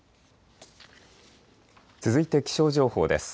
続いて気象情報です。